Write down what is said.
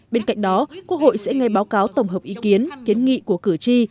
bên cạnh đó quốc hội sẽ nghe báo cáo tổng hợp ý kiến kiến nghị của cử tri